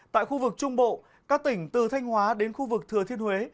tại khu vực trung bộ các tỉnh từ thanh hóa đến khu vực thừa thiên huế